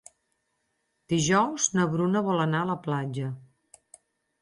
Dijous na Bruna vol anar a la platja.